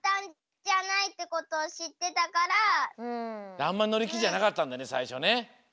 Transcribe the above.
あんまりのりきじゃなかったんだねさいしょね。